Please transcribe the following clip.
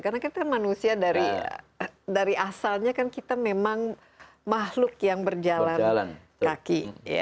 karena kita manusia dari asalnya kan kita memang mahluk yang berjalan kaki